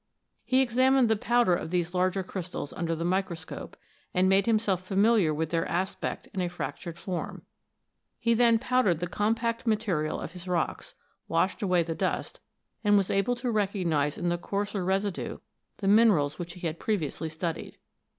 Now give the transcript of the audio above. He examined the powder of these larger crystals under the micro scope, and made himself familiar with their aspect in a fractured form. He then powdered the compact material of his rocks, washed away the dust, and was able to recognise in the coarser residue the minerals that he had previously studied.